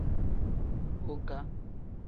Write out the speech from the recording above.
Boka.